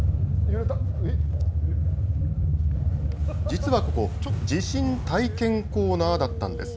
実はここ地震体験コーナーだったんです。